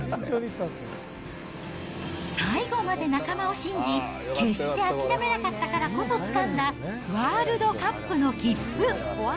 最後まで仲間を信じ、決して諦めなかったからこそつかんだワールドカップの切符。